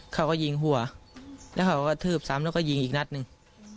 เขาก็ยิงหัวแล้วเขาก็ทืบซ้ำแล้วก็ยิงอีกนัดหนึ่ง